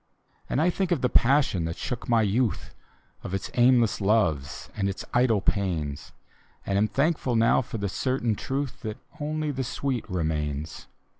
And I think of the passion that shook my youth, Of its aimless loves and its idle pains, And am thankful now for the certain truth That only the sweet remains.